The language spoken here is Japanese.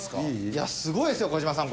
いやすごいですよ児嶋さん